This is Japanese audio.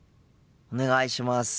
お願いします。